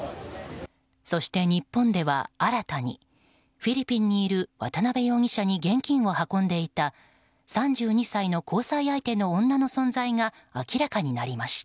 そして、日本では新たにフィリピンにいる渡辺容疑者に現金を運んでいた３２歳の交際相手の女の存在が明らかになりました。